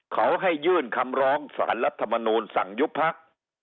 เขาให้ยื่นคำร้องสารรัฐมนูลสั่งยุบพัก